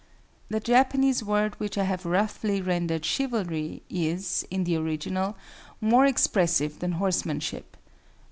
The Japanese word which I have roughly rendered Chivalry, is, in the original, more expressive than Horsemanship.